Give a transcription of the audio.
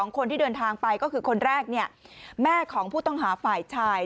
คนที่เดินทางไปก็คือคนแรกแม่ของผู้ต้องหาฝ่ายชาย